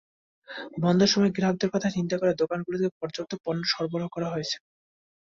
বন্ধের সময় গ্রাহকদের কথা চিন্তা করে দোকানগুলোতে পর্যাপ্ত পণ্য সরবরাহ করা হয়েছে।